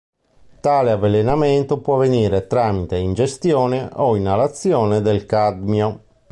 Tale avvelenamento può avvenire tramite ingestione o inalazione del cadmio.